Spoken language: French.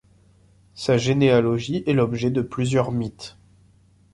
Sa généalogie est l'objet de plusieurs mythes.